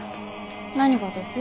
何がです？